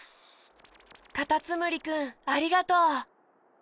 カタツムリくんありがとう！